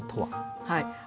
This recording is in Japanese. はい。